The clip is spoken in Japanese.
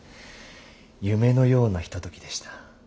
夢のようなひとときでした。